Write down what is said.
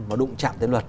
mà đụng chạm tới luật